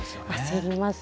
焦りますね。